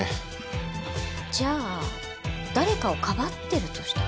じゃあ誰かをかばってるとしたら？